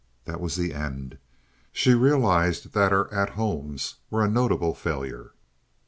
That was the end. She realized that her "at homes" were a notable failure.